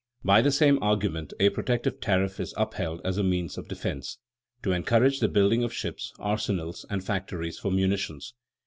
By the same argument a protective tariff is upheld as a means of defense to encourage the building of ships, arsenals, and factories for munitions.